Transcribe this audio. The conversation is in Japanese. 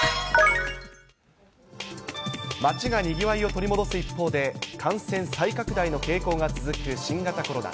街がにぎわいを取り戻す一方で、感染再拡大の傾向が続く新型コロナ。